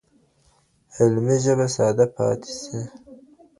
علمي ژبه ساده پاتې سي.